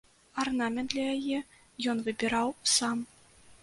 Арнамент для яе ён выбіраў сам.